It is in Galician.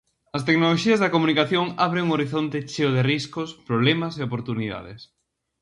As tecnoloxías da comunicación abren un horizonte cheo de riscos, problemas e oportunidades.